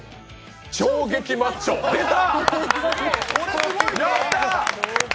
「超激マッチョ」出た！